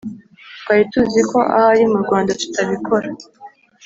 “twari tuziko ahari mu rwanda tutabikora,